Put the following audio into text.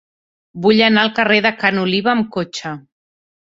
Vull anar al carrer de Ca n'Oliva amb cotxe.